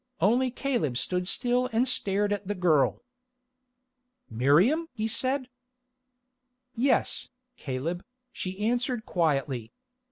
Only Caleb stood still and stared at the girl. "Miriam!" he said. "Yes, Caleb," she answered quietly.